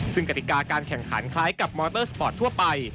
ซึ่งกติกาการแข่งขันคล้ายกับมอเตอร์สปอร์ตทั่วไป